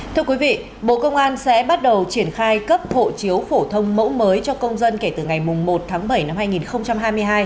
thưa quý vị bộ công an sẽ bắt đầu triển khai cấp hộ chiếu phổ thông mẫu mới cho công dân kể từ ngày một tháng bảy năm hai nghìn hai mươi hai